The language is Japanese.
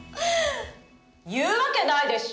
言うわけないでしょ！